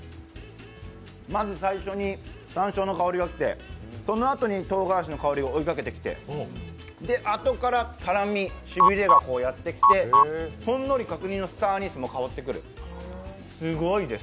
まず最初にさんしょうの香りがきてそのあとにとうがらしの香りが追いかけてきてで、あとから辛み、しびれがやってきて、ほんのり角煮も香ってくる。